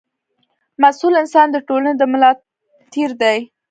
مسوول انسان د ټولنې د ملا تېر دی.